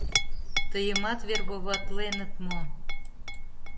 — Тыйымат вербоватленыт мо?